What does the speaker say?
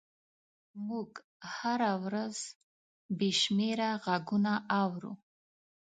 موږ هره ورځ بې شمېره غږونه اورو.